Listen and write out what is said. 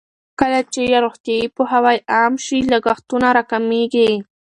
کله چې روغتیايي پوهاوی عام شي، لګښتونه راکمېږي.